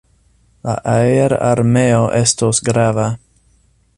La aerarmeo estos grava.